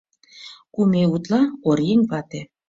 Кум ий утла оръеҥ вате